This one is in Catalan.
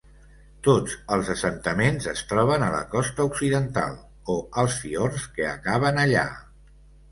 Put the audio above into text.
Tots els assentaments es troben a la costa occidental, o als fiords que acaben allà.